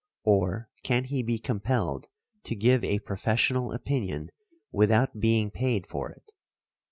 or can he be compelled to give a professional opinion without being paid for it?